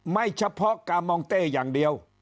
ไม่เฉพาะกามองเต้อย่างเดียว